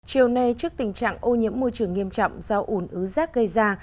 chiều nay trước tình trạng ô nhiễm môi trường nghiêm trọng do ủn ứ rác gây ra